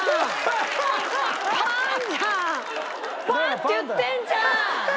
「パン」って言ってんじゃん！